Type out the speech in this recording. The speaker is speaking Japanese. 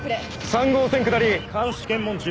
３号線下り監視検問中。